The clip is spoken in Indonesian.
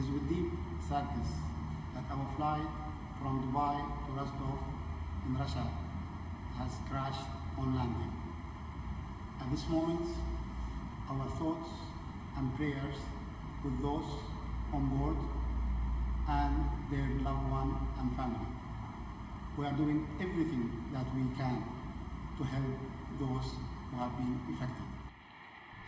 pesawat boeing tujuh ratus tiga puluh tujuh delapan ratus milik fai dubai hancur setelah gagal mendarat pada percobaan kedua di bandara rostov on don rusia